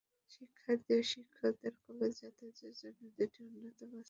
শিক্ষার্থী ও শিক্ষক দের কলেজে যাতায়াতের জন্য দুইটি উন্নত বাস রয়েছে।